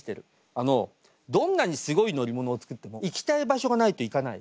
あのどんなにすごい乗り物を作っても行きたい場所がないと行かない。